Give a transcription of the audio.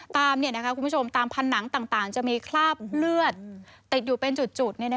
ตามพันธุ์หนังต่างจะมีคราบเลือดติดอยู่เป็นจุด